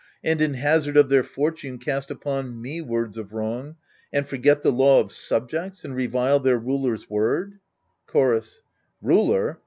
And in hazard of their fortune cast upon me words of wrong. And forget the law of subjects, and revile their ruler's word — Chorus Ruler